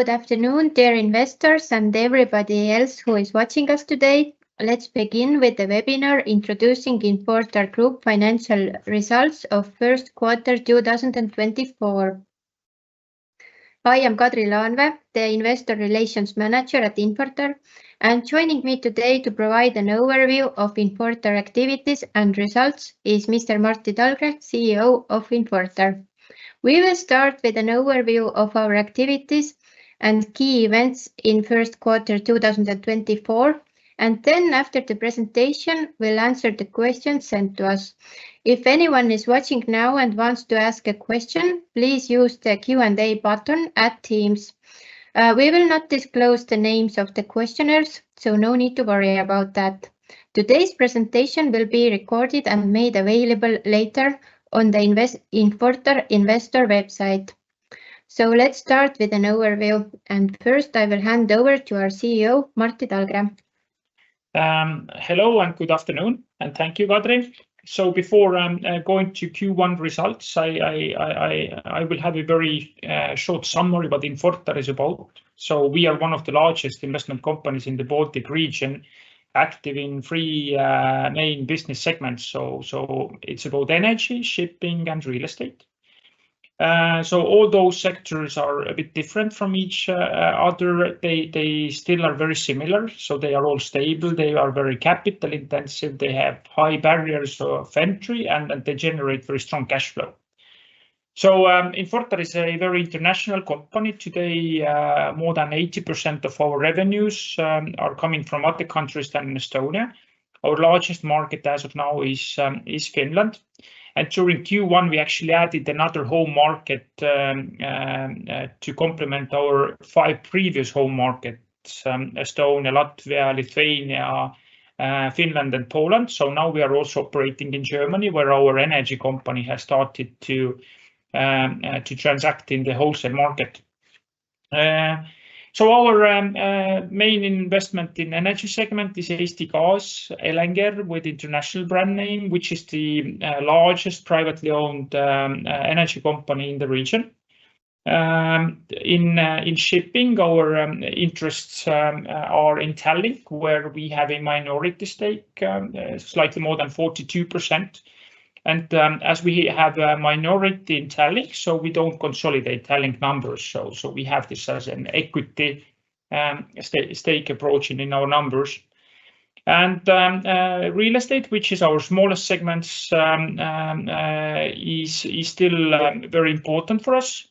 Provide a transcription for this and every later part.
Good afternoon, dear investors and everybody else who is watching us today. Let's begin with the webinar introducing Infortar Group Financial Results of First Quarter 2024. I am Kadri Laanvee, the Investor Relations Manager at Infortar. Joining me today to provide an overview of Infortar activities and results is Mr. Martti Talgre, CEO of Infortar. We will start with an overview of our activities and key events in first quarter 2024. Then after the presentation, we'll answer the questions sent to us. If anyone is watching now and wants to ask a question, please use the Q&A button at Microsoft Teams. We will not disclose the names of the questioners. No need to worry about that. Today's presentation will be recorded and made available later on the Infortar investor website. Let's start with an overview, and first I will hand over to our CEO, Martti Talgre. Hello and good afternoon, and thank you, Kadri. Before going to Q1 results, I will have a very short summary what Infortar is about. We are one of the largest investment companies in the Baltic region, active in three main business segments. It's about energy, shipping, and real estate. All those sectors are a bit different from each other. They still are very similar, they are all stable. They are very capital intensive. They have high barriers of entry, and they generate very strong cash flow. Infortar is a very international company. Today, more than 80% of our revenues are coming from other countries than Estonia. Our largest market as of now is Finland. During Q1, we actually added another whole market to complement our five previous whole markets, Estonia, Latvia, Lithuania, Finland, and Poland. Now we are also operating in Germany, where our energy company has started to transact in the wholesale market. Our main investment in energy segment is Eesti Gaas, Elenger with international brand name, which is the largest privately owned energy company in the region. In shipping, our interests are in Tallink, where we have a minority stake, slightly more than 42%. As we have a minority in Tallink, we don't consolidate Tallink numbers. We have this as an equity stake approach in our numbers. Real estate, which is our smallest segment, is still very important for us.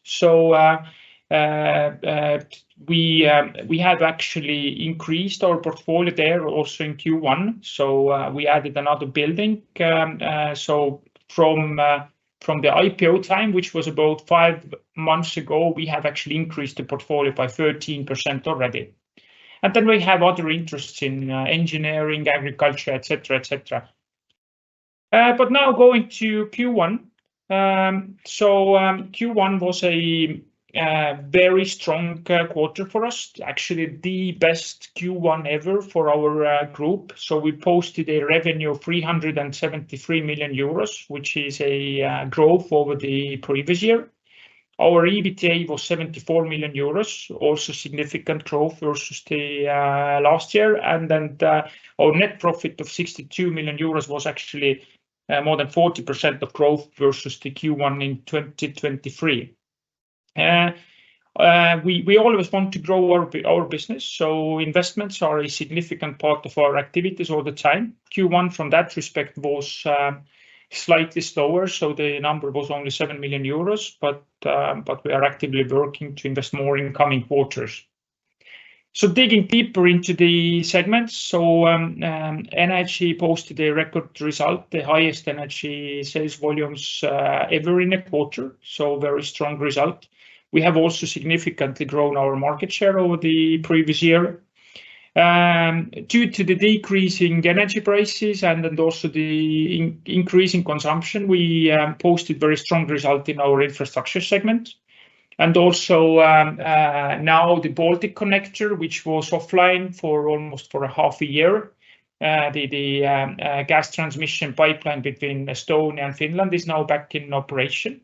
We have actually increased our portfolio there also in Q1, we added another building. From the IPO time, which was about five months ago, we have actually increased the portfolio by 13% already. We have other interests in engineering, agriculture, et cetera, et cetera. Now going to Q1. Q1 was a very strong quarter for us, actually the best Q1 ever for our group. We posted a revenue of 373 million euros, which is a growth over the previous year. Our EBITA was 74 million euros, also significant growth versus the last year. Our net profit of 62 million euros was actually more than 40% of growth versus the Q1 in 2023. We always want to grow our business, investments are a significant part of our activities all the time. Q1, from that respect, was slightly slower, the number was only 7 million euros, we are actively working to invest more in coming quarters. Digging deeper into the segments, energy posted a record result, the highest energy sales volumes ever in a quarter, very strong result. We have also significantly grown our market share over the previous year. Due to the decrease in energy prices and then also the increase in consumption, we posted very strong result in our infrastructure segment. Now the Balticconnector, which was offline for almost a half year, the gas transmission pipeline between Estonia and Finland is now back in operation.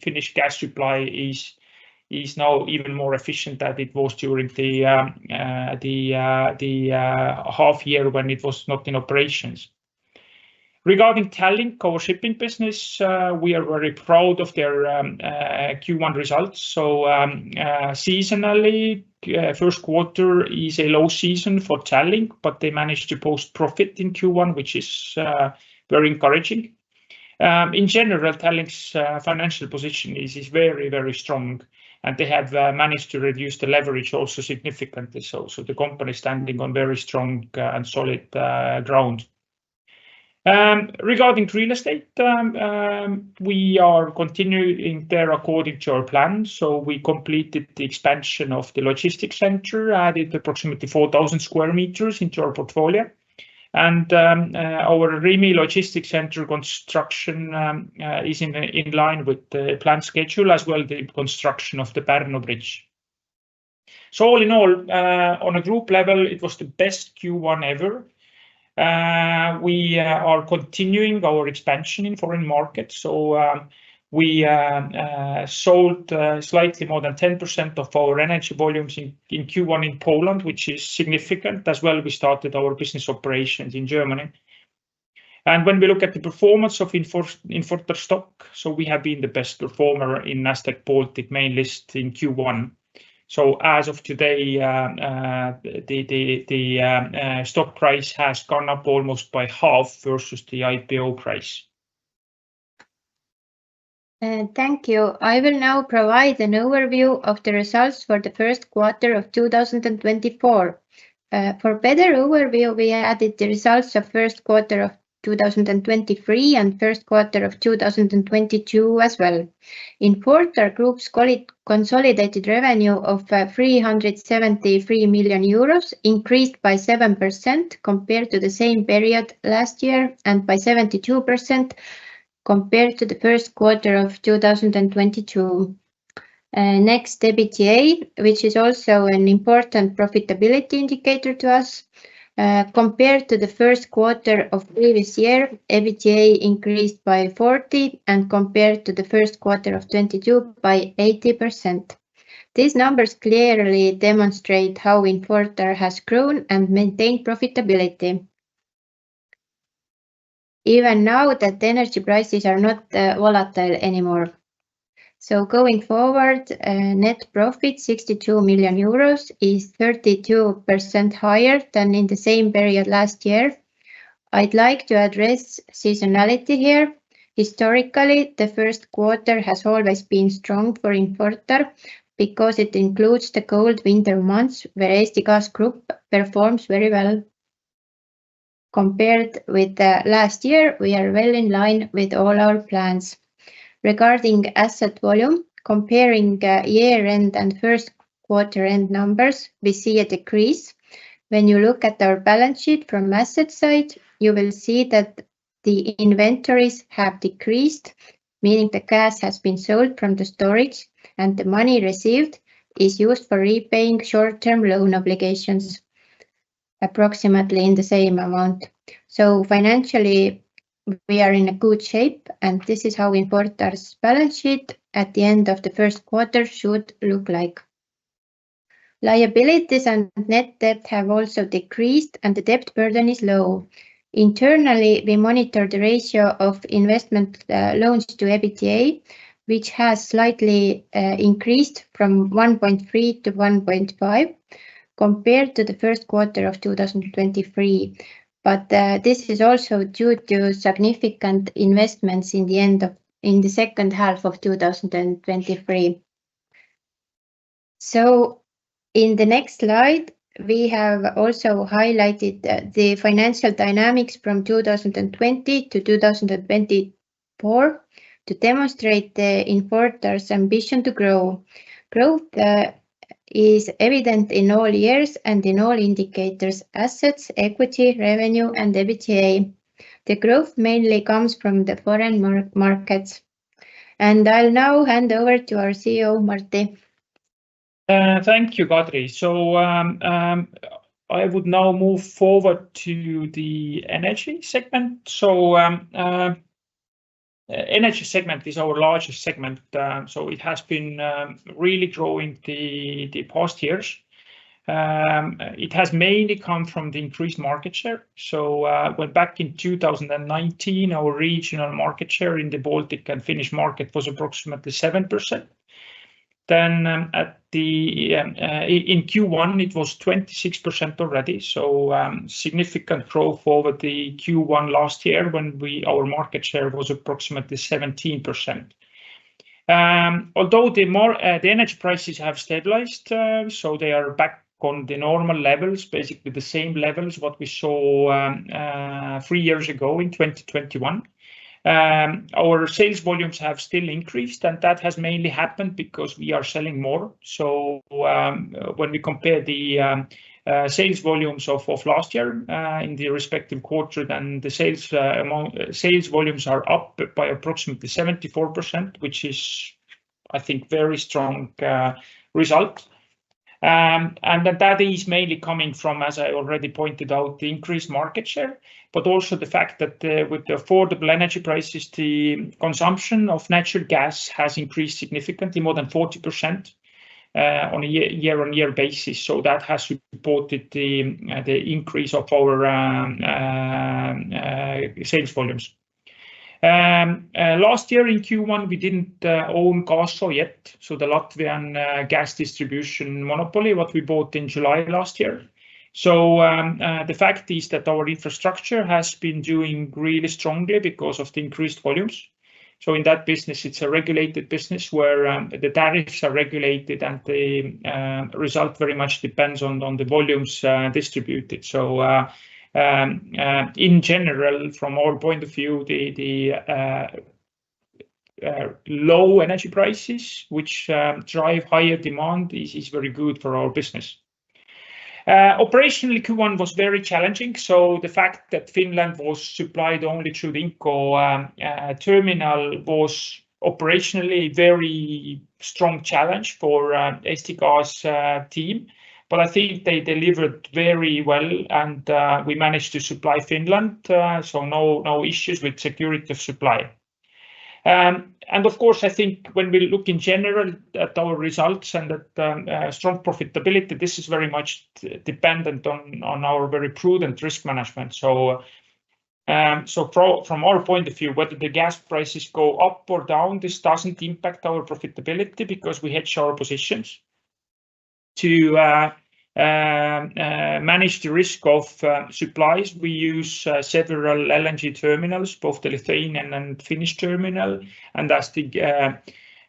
Finnish gas supply is now even more efficient than it was during the half year when it was not in operations. Regarding Tallink, our shipping business, we are very proud of their Q1 results. Seasonally, first quarter is a low season for Tallink, but they managed to post profit in Q1, which is very encouraging. In general, Tallink's financial position is very strong, and they have managed to reduce the leverage also significantly. The company is standing on very strong and solid ground. Regarding real estate, we are continuing there according to our plan. We completed the expansion of the logistics center, added approximately 4,000 sq m into our portfolio. Our Rimi logistics center construction is in line with the plan schedule, as well the construction of the Pärnu Bridge. All in all, on a group level, it was the best Q1 ever. We are continuing our expansion in foreign markets, we sold slightly more than 10% of our energy volumes in Q1 in Poland, which is significant. We started our business operations in Germany. When we look at the performance of Infortar stock, we have been the best performer in Nasdaq Baltic main list in Q1. As of today, the stock price has gone up almost by half versus the IPO price. Thank you. I will now provide an overview of the results for the first quarter of 2024. For better overview, we added the results of first quarter of 2023 and first quarter of 2022 as well. Infortar Group's consolidated revenue of 373 million euros increased by 7% compared to the same period last year, and by 72% compared to the first quarter of 2022. Next, EBITDA, which is also an important profitability indicator to us. Compared to the first quarter of previous year, EBITDA increased by 40%, and compared to the first quarter of 2022, by 80%. These numbers clearly demonstrate how Infortar has grown and maintained profitability even now that the energy prices are not volatile anymore. Going forward, net profit, 62 million euros, is 32% higher than in the same period last year. I'd like to address seasonality here. Historically, the first quarter has always been strong for Infortar because it includes the cold winter months, whereas the gas group performs very well. Compared with last year, we are well in line with all our plans. Regarding asset volume, comparing year-end and first quarter-end numbers, we see a decrease. When you look at our balance sheet from asset side, you will see that the inventories have decreased, meaning the gas has been sold from the storage and the money received is used for repaying short-term loan obligations approximately in the same amount. Financially, we are in a good shape, and this is how Infortar's balance sheet at the end of the first quarter should look like. Liabilities and net debt have also decreased, and the debt burden is low. Internally, we monitor the ratio of investment loans to EBITDA, which has slightly increased from 1.3 to 1.5 compared to the first quarter of 2023. This is also due to significant investments in the second half of 2023. In the next slide, we have also highlighted the financial dynamics from 2020 to 2024 to demonstrate Infortar's ambition to grow. Growth is evident in all years and in all indicators, assets, equity, revenue and EBITDA. The growth mainly comes from the foreign markets. I'll now hand over to our CEO, Martti. Thank you, Kadri. I would now move forward to the energy segment. Energy segment is our largest segment, so it has been really growing the past years. It has mainly come from the increased market share. When back in 2019, our regional market share in the Baltic and Finnish market was approximately 7%. In Q1, it was 26% already, so significant growth over the Q1 last year when we, our market share was approximately 17%. Although the energy prices have stabilized, so they are back on the normal levels, basically the same levels what we saw three years ago in 2021, our sales volumes have still increased, and that has mainly happened because we are selling more. When we compare the sales volumes of last year in the respective quarter, then the sales amount sales volumes are up by approximately 74%, which is, I think, very strong result. That is mainly coming from, as I already pointed out, the increased market share, but also the fact that with the affordable energy prices, the consumption of natural gas has increased significantly, more than 40% on a year-on-year basis. That has supported the increase of our sales volumes. Last year in Q1, we didn't own Gaso yet, so the Latvian gas distribution monopoly, what we bought in July last year. The fact is that our infrastructure has been doing really strongly because of the increased volumes. In that business, it's a regulated business where the tariffs are regulated and the result very much depends on the volumes distributed. In general, from our point of view, the low energy prices, which drive higher demand is very good for our business. Operationally Q1 was very challenging, so the fact that Finland was supplied only through Inkoo terminal was operationally very strong challenge for Eesti Gaas's team. I think they delivered very well and we managed to supply Finland, so no issues with security of supply. Of course, I think when we look in general at our results and at strong profitability, this is very much dependent on our very prudent risk management. From our point of view, whether the gas prices go up or down, this doesn't impact our profitability because we hedge our positions. To manage the risk of supplies, we use several LNG terminals, both the Lithuanian and Finnish terminal, and as the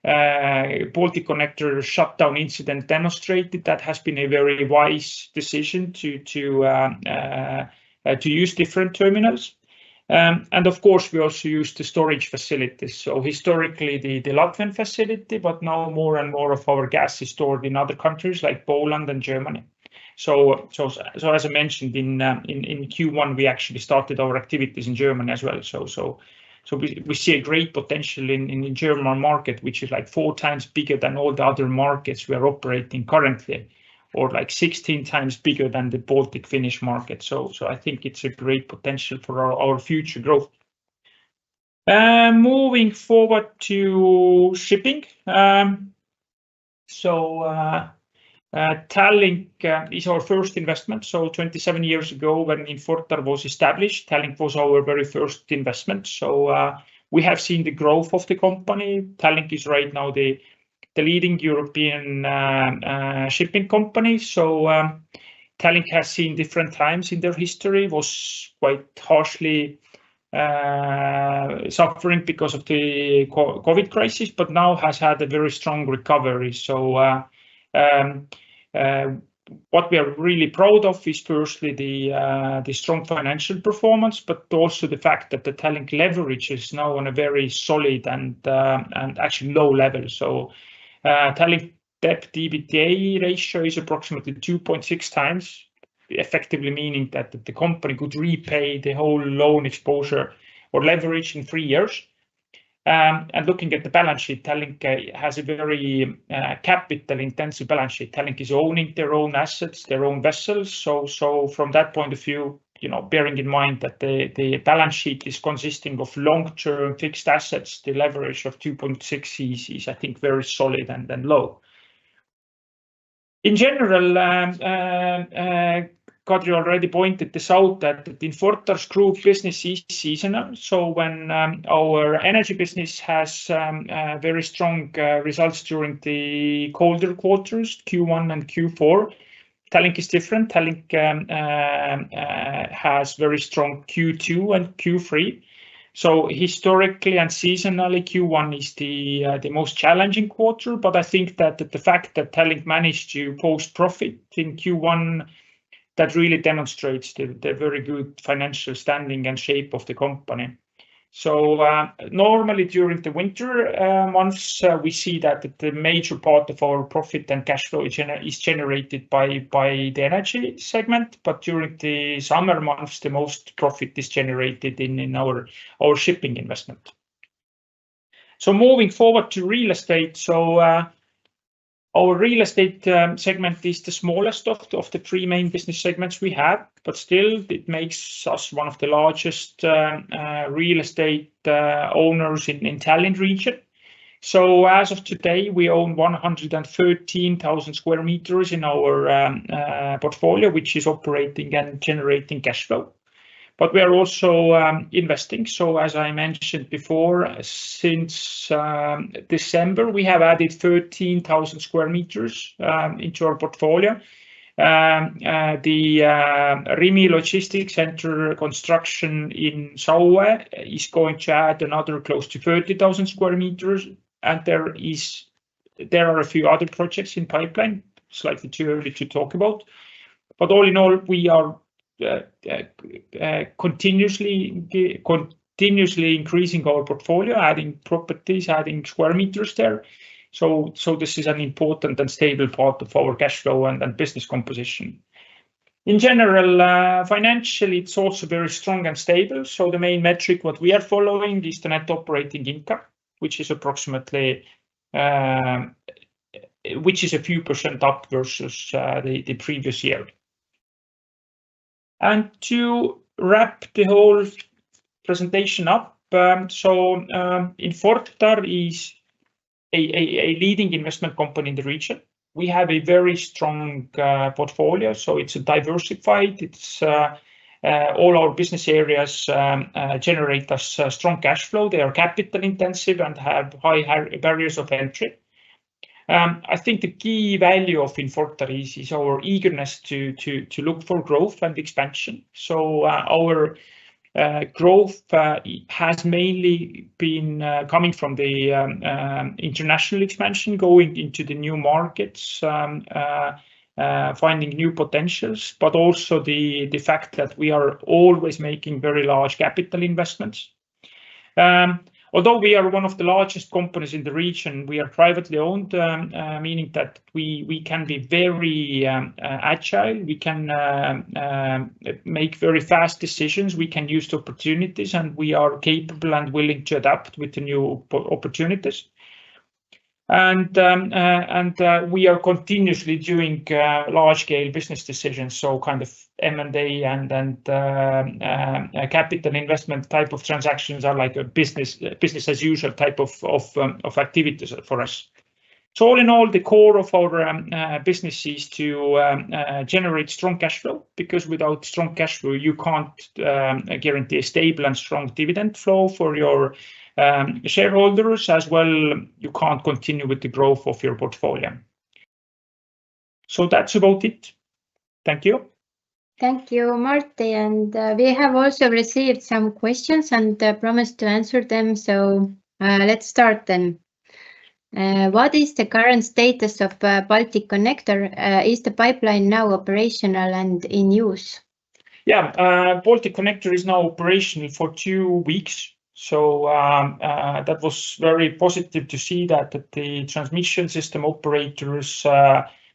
Balticconnector shutdown incident demonstrated, that has been a very wise decision to use different terminals. And of course, we also use the storage facilities. Historically, the Latvian facility, but now more and more of our gas is stored in other countries like Poland and Germany. As I mentioned in Q1, we actually started our activities in Germany as well. We see a great potential in the German market, which is like four times bigger than all the other markets we are operating currently, or like 16 times bigger than the Baltic-Finnish market. I think it's a great potential for our future growth. Moving forward to shipping. Tallink is our first investment. 27 years ago, when Infortar was established, Tallink was our very first investment. We have seen the growth of the company. Tallink is right now the leading European shipping company. Tallink has seen different times in their history, was quite harshly suffering because of the COVID crisis, but now has had a very strong recovery. What we are really proud of is firstly the strong financial performance, but also the fact that the Tallink leverage is now on a very solid and actually low level. Tallink debt, EBITDA ratio is approximately 2.6 times, effectively meaning that the company could repay the whole loan exposure or leverage in three years. And looking at the balance sheet, Tallink has a very capital-intensive balance sheet. Tallink is owning their own assets, their own vessels. From that point of view, you know, bearing in mind that the balance sheet is consisting of long-term fixed assets, the leverage of 2.6x, I think, is very solid and low. In general, Kadri already pointed this out that Infortar Group's business is seasonal. When our energy business has very strong results during the colder quarters, Q1 and Q4, Tallink is different. Tallink has very strong Q2 and Q3. Historically and seasonally, Q1 is the most challenging quarter. I think that the fact that Tallink managed to post profit in Q1, that really demonstrates the very good financial standing and shape of the company. Normally during the winter months, we see that the major part of our profit and cash flow is generated by the energy segment, but during the summer months, the most profit is generated in our shipping investment. Moving forward to real estate. Our real estate segment is the smallest of the three main business segments we have, but still it makes us one of the largest real estate owners in Tallinn region. As of today, we own 113,000 sq m in our portfolio, which is operating and generating cash flow. We are also investing. As I mentioned before, since December, we have added 13,000 sq m into our portfolio. The Rimi Logistic Center construction in Saue is going to add another close to 30,000 sq m, and there are a few other projects in pipeline, slightly too early to talk about. All in all, we are continuously increasing our portfolio, adding properties, adding sq m there. This is an important and stable part of our cash flow and business composition. In general, financially, it's also very strong and stable. The main metric what we are following is the Net Operating Income, which is approximately a few percent up versus the previous year. To wrap the whole presentation up, Infortar is a leading investment company in the region. We have a very strong portfolio, so it's diversified. All our business areas generate us strong cash flow. They are capital intensive and have high barriers of entry. I think the key value of Infortar is our eagerness to look for growth and expansion. Our growth has mainly been coming from the international expansion, going into the new markets, finding new potentials, but also the fact that we are always making very large capital investments. Although we are one of the largest companies in the region, we are privately owned, meaning that we can be very agile. We can make very fast decisions. We can use the opportunities, and we are capable and willing to adapt with the new opportunities. We are continuously doing large scale business decisions, so kind of M&A and then capital investment type of transactions are like a business as usual type of activities for us. All in all, the core of our business is to generate strong cash flow, because without strong cash flow, you can't guarantee a stable and strong dividend flow for your shareholders, as well you can't continue with the growth of your portfolio. That's about it. Thank you. Thank you, Martti. We have also received some questions, I promise to answer them, let's start then. What is the current status of Balticconnector? Is the pipeline now operational and in use? Yeah. Balticconnector is now operational for two weeks, that was very positive to see that the transmission system operators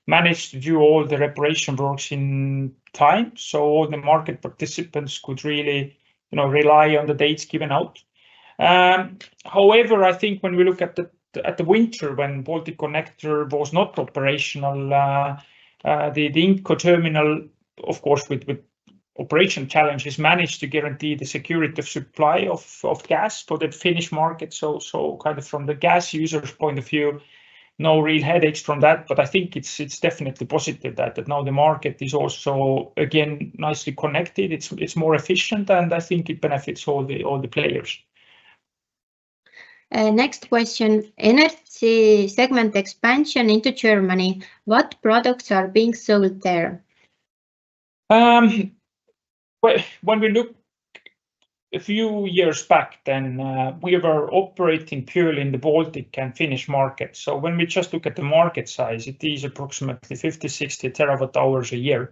managed to do all the reparation works in time. The market participants could really, you know, rely on the dates given out. However, I think when we look at the winter when Balticconnector was not operational, the Inkoo Terminal, of course, with operation challenges, managed to guarantee the security of supply of gas for the Finnish market. Kind of from the gas user's point of view, no real headaches from that. I think it's definitely positive that now the market is also, again, nicely connected. It's more efficient, and I think it benefits all the players. Next question. Energy segment expansion into Germany, what products are being sold there? When we look a few years back then, we were operating purely in the Baltic and Finnish market. When we just look at the market size, it is approximately 50, 60 TW hours a year.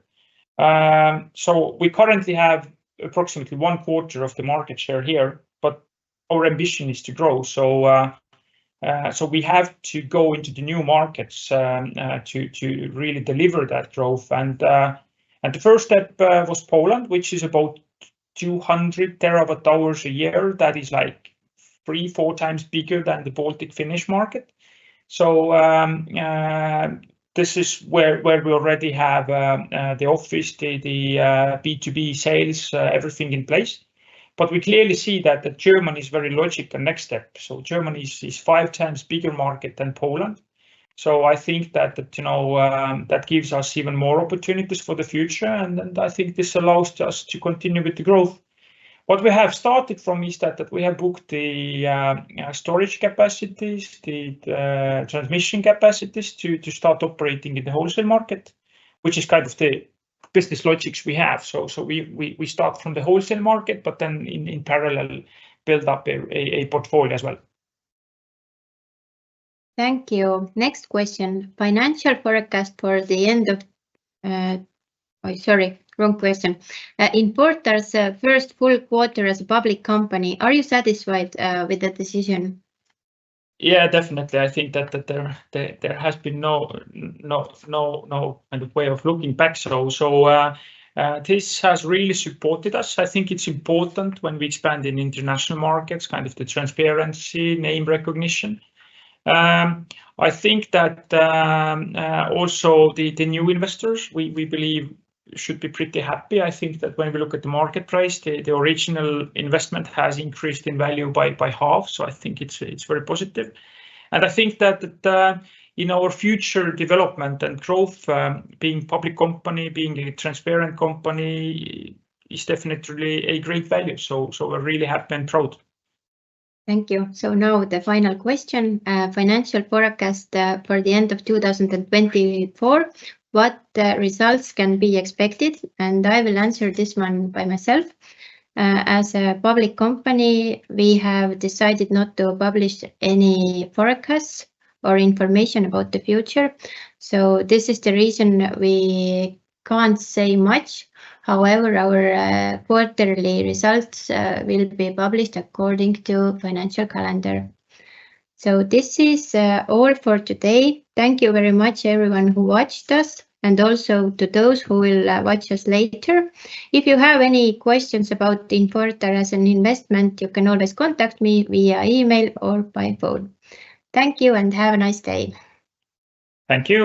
We currently have approximately one quarter of the market share here, but our ambition is to grow. We have to go into the new markets to really deliver that growth. The first step was Poland, which is about 200 TW a year. That is, like, three, four times bigger than the Baltic-Finnish market. This is where we already have the office, the B2B sales, everything in place. We clearly see that Germany is very logical next step. Germany is five times bigger market than Poland. I think that, you know, that gives us even more opportunities for the future. I think this allows us to continue with the growth. What we have started from is that we have booked the storage capacities, the transmission capacities to start operating in the wholesale market, which is kind of the business logics we have. We start from the wholesale market, but then in parallel build up a portfolio as well. Thank you. Next question. Financial forecast for the end of. Oh, sorry, wrong question. Infortar's first full quarter as a public company, are you satisfied with the decision? Yeah, definitely. I think that there has been no kind of way of looking back. This has really supported us. I think it's important when we expand in international markets, kind of the transparency, name recognition. I think that also the new investors, we believe should be pretty happy. I think that when we look at the market price, the original investment has increased in value by half, so I think it's very positive. I think that in our future development and growth, being public company, being a transparent company is definitely a great value. We're really happy and proud. Thank you. Now the final question, financial forecast for the end of 2024, what results can be expected? I will answer this one by myself. As a public company, we have decided not to publish any forecast or information about the future, this is the reason we can't say much. However, our quarterly results will be published according to financial calendar. This is all for today. Thank you very much everyone who watched us, and also to those who will watch us later. If you have any questions about Infortar as an investment, you can always contact me via email or by phone. Thank you, and have a nice day. Thank you.